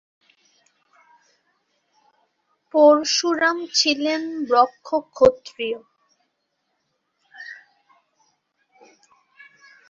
পরশুরাম ছিলেন ব্রহ্মক্ষত্রিয়।